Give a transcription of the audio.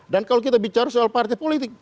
dan kalau kita bicara soal partai politik